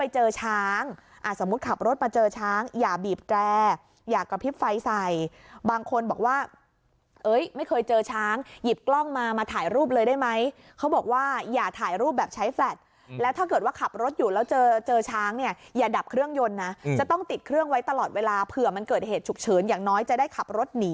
เจอช้างสมมุติขับรถมาเจอช้างอย่าบีบแตรอย่ากระพริบไฟใส่บางคนบอกว่าเอ้ยไม่เคยเจอช้างหยิบกล้องมามาถ่ายรูปเลยได้ไหมเขาบอกว่าอย่าถ่ายรูปแบบใช้แฟลตแล้วถ้าเกิดว่าขับรถอยู่แล้วเจอเจอช้างเนี่ยอย่าดับเครื่องยนต์นะจะต้องติดเครื่องไว้ตลอดเวลาเผื่อมันเกิดเหตุฉุกเฉินอย่างน้อยจะได้ขับรถหนี